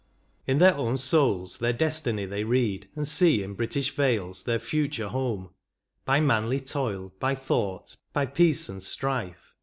In their own souls their destiny they read. And see in British vales their future home : By manly toil, by thought, by peace and strife.